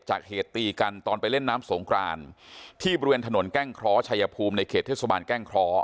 เหตุตีกันตอนไปเล่นน้ำสงครานที่บริเวณถนนแก้งเคราะห์ชายภูมิในเขตเทศบาลแก้งเคราะห์